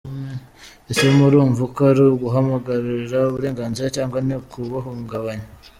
Ese murumva uko ari uguharanira uburenganzira cyangwa ni ukubuhungabanya!”.